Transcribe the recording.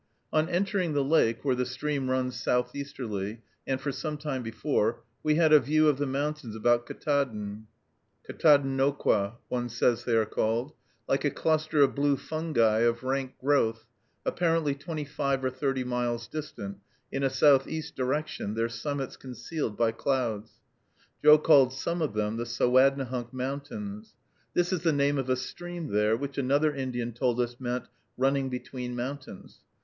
On entering the lake, where the stream runs southeasterly, and for some time before, we had a view of the mountains about Ktaadn (Katahdinauquoh one says they are called), like a cluster of blue fungi of rank growth, apparently twenty five or thirty miles distant, in a southeast direction, their summits concealed by clouds. Joe called some of them the Sowadnehunk Mountains. This is the name of a stream there, which another Indian told us meant "running between mountains."